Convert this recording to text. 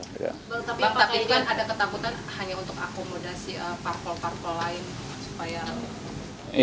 tapi kan ada ketakutan hanya untuk akomodasi parkol parkol lain